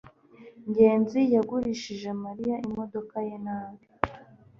ngenzi yagurishije mariya imodoka ye nabi